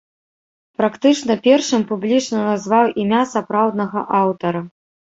Практычна першым публічна назваў імя сапраўднага аўтара.